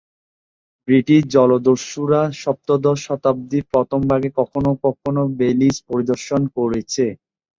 British জলদস্যুরা সপ্তদশ শতাব্দীর প্রথম ভাগে কখনো কখনো বেলিজ পরিদর্শন করেছে।